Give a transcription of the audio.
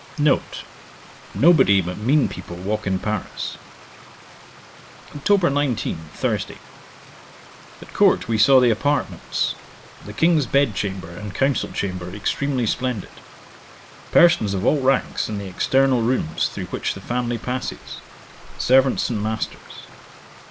'N. Nobody but mean people walk in Paris. 'Oct. 19. Thursday. At Court, we saw the apartments; the King's bed chamber and council chamber extremely splendid Persons of all ranks in the external rooms through which the family passes: servants and masters.